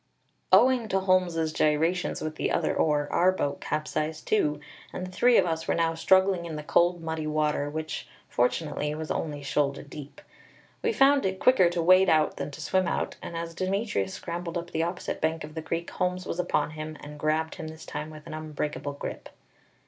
Owing to Holmes's gyrations with the other oar, our boat capsized too, and the three of us were now struggling in the cold, muddy water, which, fortunately, was only shoulder deep. We found it quicker to wade out than to swim out, and as Demetrius scrambled up the opposite bank of the creek, Holmes was upon him, and grabbed him this time with an unbreakable grip.